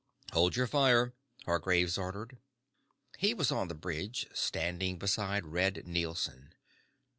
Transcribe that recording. "Hold your fire," Hargraves ordered. He was on the bridge, standing beside Red Nielson.